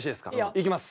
行きます。